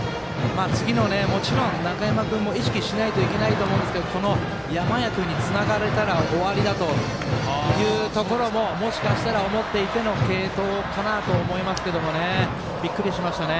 もちろん、中山君も意識しないといけないんですけどこの山家君につながれたら終わりだというところももしかしたら、思っていての継投かなと思いますがびっくりしましたね。